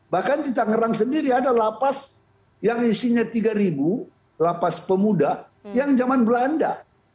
bahkan kita ngerang sendiri ada lapas yang isinya tiga lapas pemuda yang zaman belanda